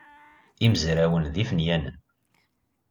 Imezrawen d ifenyanen.